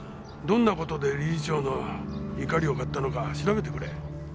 どんな事で理事長の怒りを買ったのか調べてくれ。